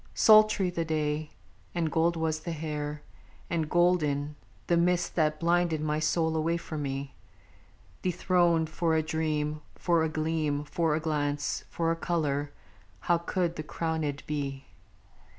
_ _Sultry the day, and gold was the hair, and golden The mist that blinded my soul away from me. Dethroned for a dream, for a gleam, for a glance, for a color, How could the crownèd be?